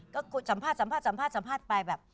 ก็สัมภาษณ์ไปแบบ